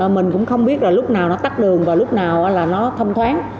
mình cũng không biết là lúc nào nó tắt đường và lúc nào là nó thông thoáng